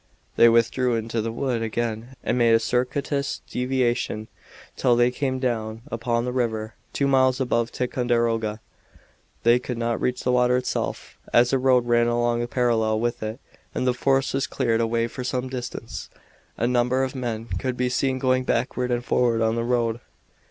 They withdrew into the wood again and made a circuitous deviation till they came down upon the river, two miles above Ticonderoga. They could not reach the water itself, as a road ran along parallel with it and the forest was cleared away for some distance. A number of men could be seen going backward and forward on the road.